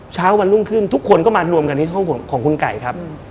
เช้าวันรุ่งขึ้นทุกคนก็มารวมกันที่ห้องของคุณไก่ครับ